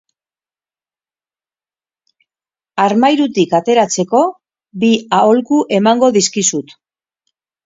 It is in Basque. Armairutik ateratzeko bi aholku emango dizkizut.